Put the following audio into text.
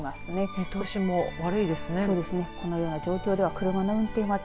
見通しも悪いですね。